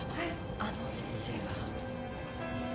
あの先生は？